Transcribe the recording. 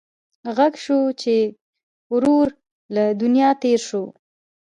غږ شو چې ورور له دنیا تېر شو.